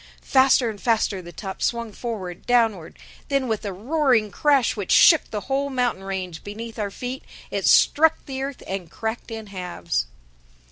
Faster and faster the top swung forward, downward. Then, with a roaring crash which shook the whole mountain range beneath our feet, it struck the earth and cracked in halves.